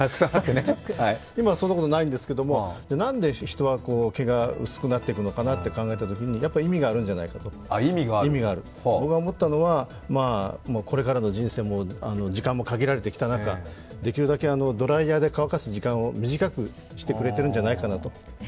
今そんなことないんですがなんで人は毛が薄くなっていくのかなと考えたときにやっぱり意味があるんじゃないかなと、僕が思ったのはこれからの人生も時間も限られてきた中、できるだけドライヤーで乾かす時間を短くしてくれているんじゃないかと。